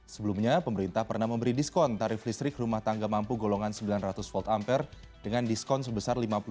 sebelumnya pemerintah pernah memberi diskon tarif listrik rumah tangga mampu golongan sembilan ratus volt ampere dengan diskon sebesar lima puluh